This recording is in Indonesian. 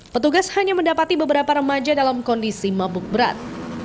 petugas hanya mendapati beberapa remaja dalam kondisi mabuk berat